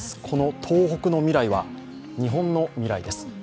この東北の未来は日本の未来です。